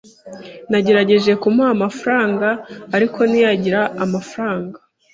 Nagerageje kumuha amafaranga, ariko ntiyagira amafaranga.